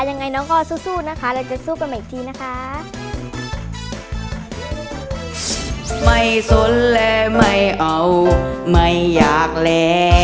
ยังไงน้องก็สู้สู้นะคะเราจะสู้กันใหม่อีกทีนะคะ